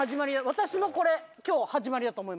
私もこれ今日始まりだと思いました。